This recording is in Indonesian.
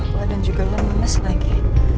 badan juga lemes lagi